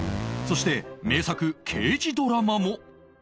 そして名作刑事ドラマも